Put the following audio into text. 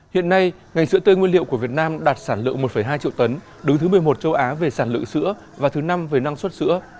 hiện nay ngành sữa tươi nguyên liệu của việt nam đạt sản lượng một hai triệu tấn đứng thứ một mươi một châu á về sản lượng sữa và thứ năm về năng suất sữa